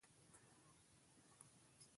لږ خو پر ځای کار د زیاتې نتیجې سبب کېږي.